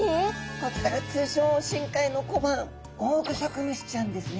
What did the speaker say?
こちらが通称深海の小判オオグソクムシちゃんですね。